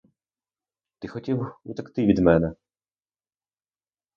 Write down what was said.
Ти хотів утекти від мене!